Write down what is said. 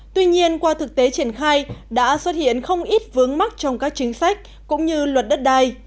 tuy nhiên qua thực tế triển khai đã xuất hiện không ít vướng mắt trong các chính sách cũng như luật đất đai